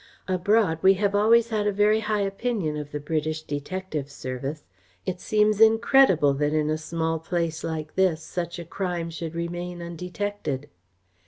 Abroad we have always had a very high opinion of the British detective service. It seems incredible that in a small place like this such a crime should remain undetected."